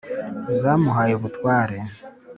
zamuhaye ubutware